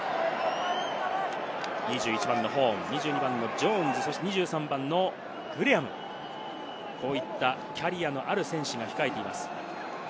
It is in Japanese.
２１番のホーン、２２番のジョーンズ、２３番のグレアム、こういったキャリアのある選手が控えています。